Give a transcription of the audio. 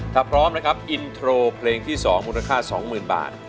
ถ้าพร้อมนะครับอินโทรเพลงที่สองมูลค่าสองหมื่นบาท